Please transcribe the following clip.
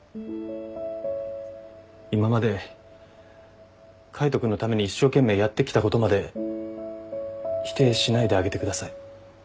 今まで海斗君のために一生懸命やってきたことまで否定しないであげてください。